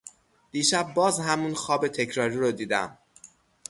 دیشب باز همون خواب تکراری رو دیدم